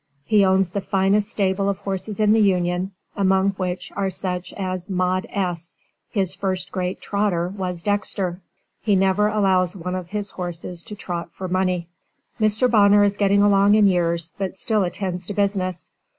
He owns the finest stable of horses in the Union, among which are such as Maud S. his first great trotter was Dexter. He never allows one of his horses to trot for money. Mr. Bonner is getting along in years but still attends to business.